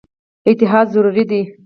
اتحاد ضروري دی.